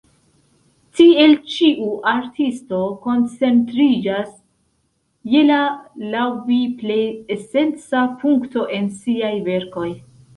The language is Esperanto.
Tiel ĉiu artisto koncentriĝas je la laŭ vi plej esenca punkto en siaj verkoj.